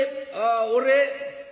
「ああ俺」。